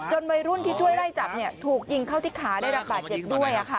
จนวัยรุ่นที่ช่วยไล่จับเนี่ยถูกยิงเข้าที่ขาได้ระบะเจ็บด้วยอ่ะค่ะ